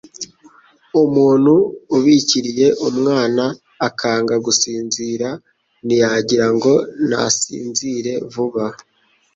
Umuntu ubikiriye umwana akanga gusinzira, ntiyagira ngo nasinzire vuba,